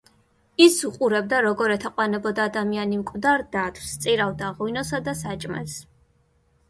ის უყურებდა, როგორ ეთაყვანებოდა ადამიანი მკვდარ დათვს, სწირავდა ღვინოსა და საჭმელს.